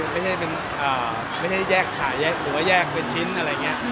ไม่ใช่แยกขายหรือว่าแยกเป็นชิ้นอะไรอย่างนี้